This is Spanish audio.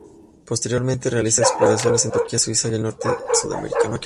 Posteriormente realiza exploraciones en Turquía, Suiza, y el norte sudamericano.